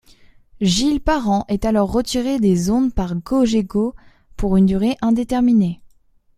Gilles Parent est alors retiré des ondes par Cogeco pour une durée indéterminé.